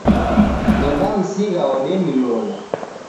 Nendamsigha wodenilola